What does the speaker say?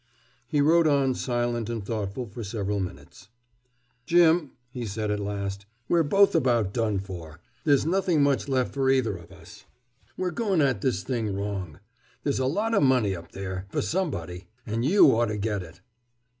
He rode on silent and thoughtful for several minutes. "Jim," he said at last, "we're both about done for. There's not much left for either of us. We're going at this thing wrong. There's a lot o' money up there, for somebody. And you ought to get it!"